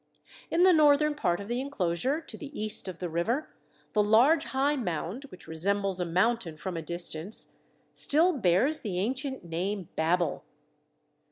In the northern part of the enclosure to the east of the river, the large high mound, which resembles a mountain from a distance, still bears the ancient name Babel.